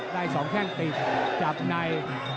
ได้๒แข้งติดจับใน